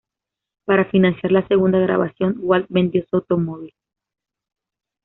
Para financiar la segunda grabación, Walt vendió su automóvil.